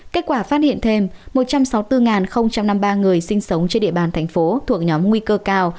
kết quả phát hiện thêm một trăm sáu mươi bốn năm mươi ba người sinh sống trên địa bàn thành phố thuộc nhóm nguy cơ cao